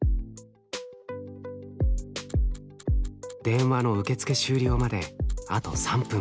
電話の受付終了まであと３分。